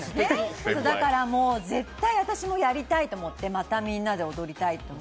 だから絶対私もやりたいと思って、またみんなで踊りたいと思って。